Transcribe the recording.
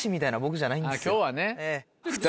今日はね。